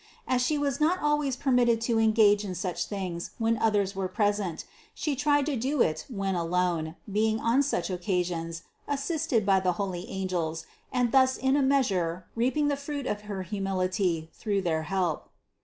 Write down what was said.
As She was not always permitted to engage in such things when others were present, She tried to do it when alone, being on such occasions assisted by the holy angels and thus in a measure reaping the fruit of her humility through their help.